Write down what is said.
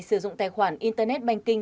sử dụng tài khoản internet banking